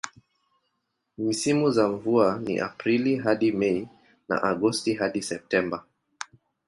Misimu za mvua ni Aprili hadi Mei na Agosti hadi Septemba.